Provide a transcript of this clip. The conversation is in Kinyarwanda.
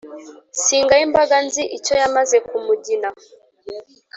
singaya imbaga nzi icyo yamaze ku mugina